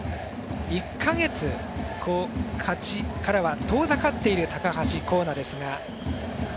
１か月、勝ちからは遠ざかっている高橋光成です。